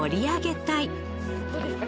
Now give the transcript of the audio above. どうですか？